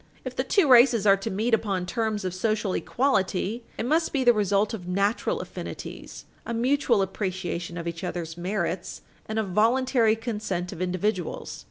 If the two races are to meet upon terms of social equality, it must be the result of natural affinities, a mutual appreciation of each other's merits, and a voluntary consent of individuals.